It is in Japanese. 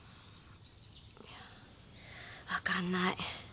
分かんない。